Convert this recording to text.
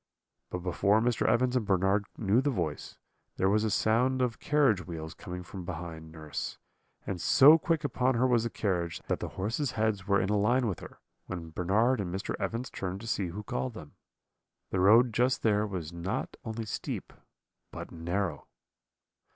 "But before Mr. Evans and Bernard knew the voice, there was a sound of carriage wheels coming from behind nurse; and so quick upon her was the carriage, that the horses' heads were in a line with her, when Bernard and Mr. Evans turned to see who called them. The road just there was not only steep but narrow.